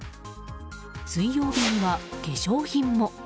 水曜日には、化粧品も。